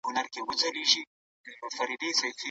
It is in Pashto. باطل په تېزۍ سره له منځه ولاړی.